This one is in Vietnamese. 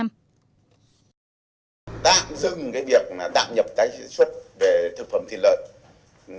tạm dừng việc tạm nhập tái xuất về thực phẩm thịt lợn